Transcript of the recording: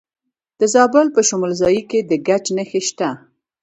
د زابل په شمولزای کې د ګچ نښې شته.